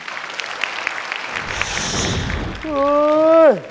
หือ